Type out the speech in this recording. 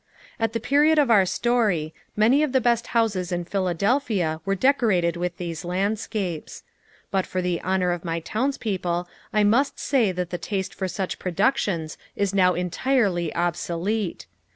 At the period of our story, many of the best houses in Philadelphia were decorated with these landscapes. But for the honor of my townspeople I must say that the taste for such productions is now entirely obsolete.